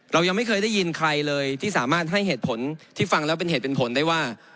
เรายังไม่เคยได้ยินใครเลยที่สามารถให้เหตุผลที่ฟังแล้วเป็นเหตุเป็นผลได้ว่า